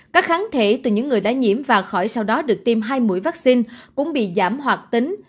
các kháng thể từ những người đã nhiễm và khỏi sau đó được tiêm hai mũi vaccine cũng bị giảm hoạt tính